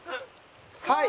はい。